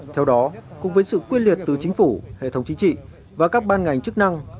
theo đó cùng với sự quyết liệt từ chính phủ hệ thống chính trị và các ban ngành chức năng